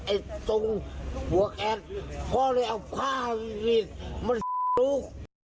ไอ้ตรงหัวแอดพ่อเลยเอาผ้ามันลุก